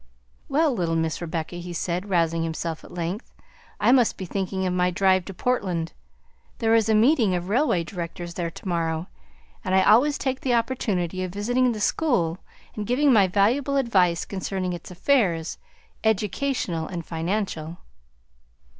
"Well, little Miss Rebecca," he said, rousing himself at length, "I must be thinking of my drive to Portland. There is a meeting of railway directors there to morrow, and I always take this opportunity of visiting the school and giving my valuable advice concerning its affairs, educational and financial."